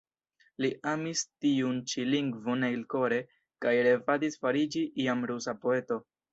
Li amis tiun ĉi lingvon elkore, kaj revadis fariĝi iam rusa poeto.